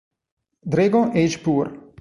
Dragon Age Pure